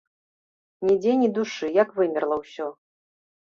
Нідзе ні душы, як вымерла ўсё.